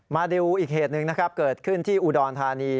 มาดูอีกเหตุหนึ่งนะครับเกิดขึ้นที่อุดรธานี